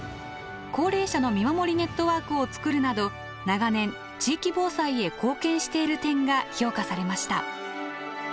高齢者の見守りネットワークを作るなど長年地域防災へ貢献している点が評価されました。